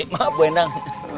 maaf bu hendang